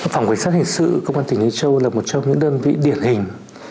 phòng quyền sát hình sự công an tỉnh hồ châu là một trong những đơn vị điển hình